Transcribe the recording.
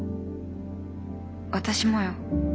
私もよ。